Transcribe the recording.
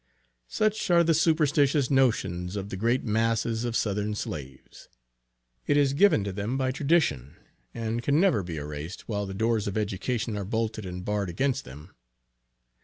Such are the superstitious notions of the great masses of southern slaves. It is given to them by tradition, and can never be erased, while the doors of education are bolted and barred against them.